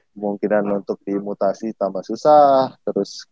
kemungkinan untuk diimutasi tambah susah terus